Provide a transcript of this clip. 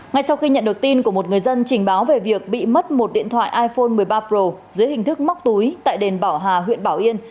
ngay sau khi nhận được tin của một người dân trình báo về việc bị mất một điện thoại iphone một mươi ba pro dưới hình thức móc túi tại đền bảo hà huyện bảo yên